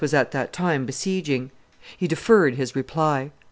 was at that time besieging. He deferred his reply.